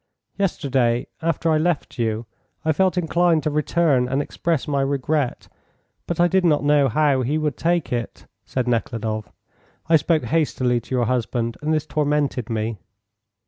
"Yesterday, after I left you, I felt inclined to return and express my regret, but I did not know how he would take it," said Nekhludoff. "I spoke hastily to your husband, and this tormented me."